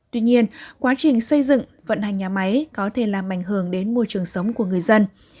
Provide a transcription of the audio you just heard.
tuy nhiên quá trình xây dựng vận hành nhà máy có thể làm ảnh hưởng đến môi trường sống của người dân